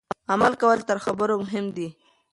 عمل کول تر خبرو مهم دي.